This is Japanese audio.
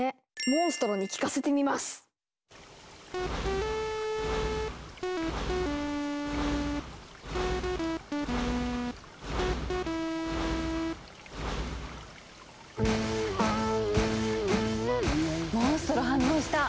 モンストロ反応した！